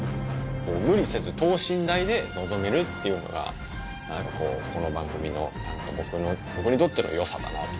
無理せず、等身大で臨めるっていうのが、なんかこう、この番組の、僕にとってのよさかなと。